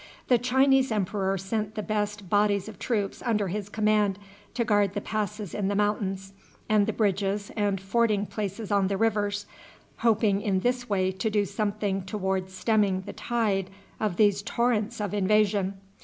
The Chinese emperor sent the best bodies of troops under his command to guard the passes in the mountains, and the bridges and fording places on the rivers, hoping in this way to do something toward stemming the tide of these torrents of invasion.